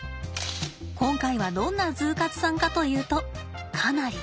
今回はどんなＺＯＯ活さんかというとかなり。